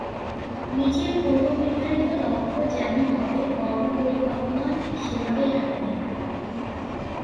নিজের পূর্বনির্ধারিত লক্ষ্য যেমন হবে, কর্মপরিকল্পনাও ঠিক সেভাবেই হাতে নিতে হবে।